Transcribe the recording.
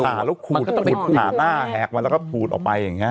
มันก็ต้องขาแล้วขูดขาหน้าแหกมาแล้วก็ขูดออกไปอย่างเงี้ย